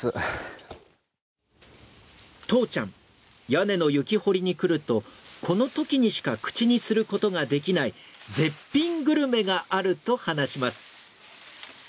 とうちゃん屋根の雪掘りに来るとこの時にしか口にする事ができない絶品グルメがあると話します。